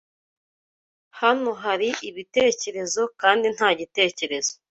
Hano haribitekerezo kandi nta gitekerezo